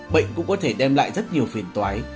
bệnh cũng có thể đem lại rất nhiều phiền toái